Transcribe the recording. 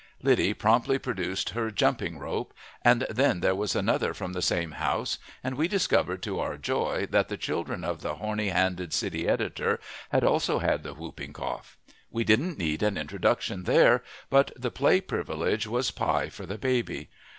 Lydie promptly produced her jumping rope. And then there was another from the same house, and we discovered, to our joy, that the children of the horny handed city editor had also had the whooping cough. We didn't need an introduction there, but the play privilege was pie for the baby.